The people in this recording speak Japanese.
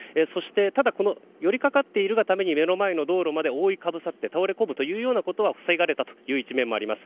ただ、寄りかかっているがために目の前の道路にまで覆いかぶさって倒れ込むというようなことは防がれたという一面もあります。